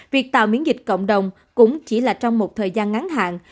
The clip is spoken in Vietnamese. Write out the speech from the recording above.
việc tạo miễn dịch cộng đồng cũng chỉ là trong một thời gian ngắn hạn